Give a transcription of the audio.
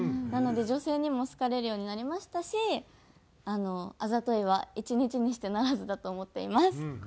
なので女性にも好かれるようになりましたしあざといは一日にして成らずだと思っています。